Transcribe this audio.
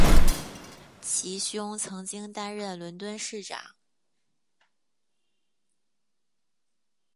其兄曾经担任伦敦市长。